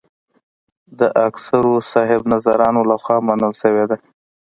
د اکثرو صاحب نظرانو له خوا منل شوې ده.